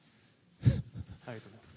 ありがとうございます。